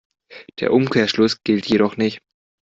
Der Umkehrschluss gilt jedoch nicht.